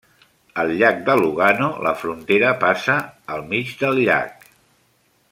Al llac de Lugano, la frontera passa al mig del llac.